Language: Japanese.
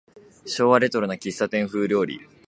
昭和レトロな喫茶店風料理